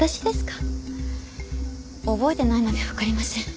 覚えてないのでわかりません。